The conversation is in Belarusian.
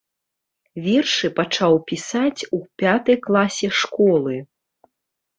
Вершы пачаў пісаць у пятай класе школы.